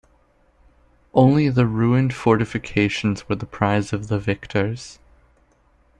Only the ruined fortifications were the prize of the victors.